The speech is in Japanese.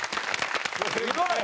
すごい！